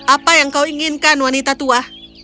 apa yang kau inginkan wanita tua